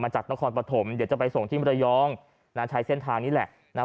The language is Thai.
จากนครปฐมเดี๋ยวจะไปส่งที่มรยองนะใช้เส้นทางนี้แหละนะ